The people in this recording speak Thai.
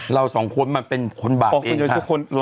เราสองคนมาเป็นคนบาปเองค่ะ